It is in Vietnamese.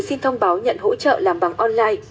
xin thông báo nhận hỗ trợ làm bằng online